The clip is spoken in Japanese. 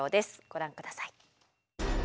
ご覧ください。